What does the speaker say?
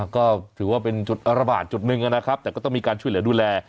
ก็ถือว่าเป็นจุดระบาดจุดหนึ่งนะครับแต่ก็ต้องมีการช่วยเหลือดูแล